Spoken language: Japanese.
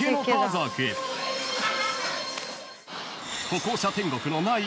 ［歩行者天国のない